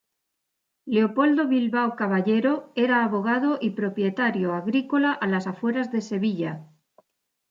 Leopoldo Bilbao Caballero era abogado y propietario agrícola a las afueras de Sevilla.